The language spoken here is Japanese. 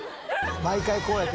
毎回こうやけど。